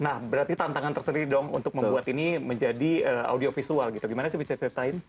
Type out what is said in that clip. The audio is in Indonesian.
nah berarti tantangan terserih dong untuk membuat ini menjadi audio visual gitu gimana sih bisa diceritain